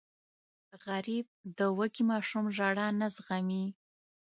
غریب د وږې ماشوم ژړا نه زغمي